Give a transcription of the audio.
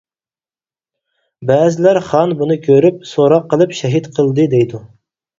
بەزىلەر خان بۇنى كۆرۈپ، سوراق قىلىپ شېھىت قىلدى دەيدۇ.